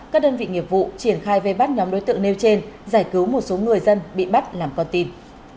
các đơn vị nghiệp vụ triển khai vây bắt nhóm đối tượng nêu trên giải cứu một số người dân bị bắt làm con tin